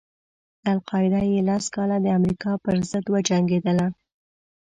القاعده یې لس کاله د امریکا پر ضد وجنګېدله.